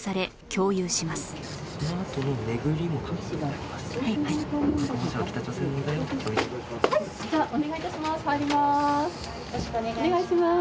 よろしくお願いします。